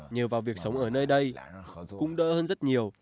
nhờ vào việc sống ở nơi đây cũng đỡ hơn rất nhiều